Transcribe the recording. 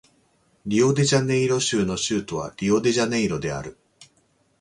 リオデジャネイロ州の州都はリオデジャネイロである